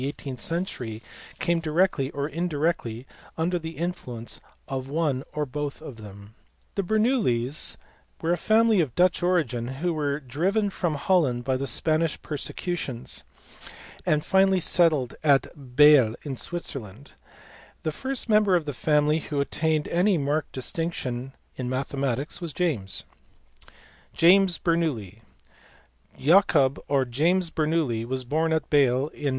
eighteenth century caine directly or indirectly under the influence of one or both of them. The Bernoullis (or as they are sometimes, and perhaps more correctly, called the Bernouillis) were a family of Dutch origin, who were driven from Holland by the Spanish persecu tions, and finally settled at Bale in Switzerland. The first member of the family who attained any marked distinction in mathematics was James. James Bernoulli*. Jacob or James Bernoulli was born at Bale on Dec.